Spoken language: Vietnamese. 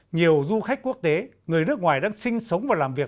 nhiều du khách quốc tế người nước ngoài đang sinh sống và làm việc